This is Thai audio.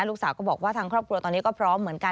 ลูกสาวก็บอกว่าทางครอบครัวตอนนี้ก็พร้อมเหมือนกัน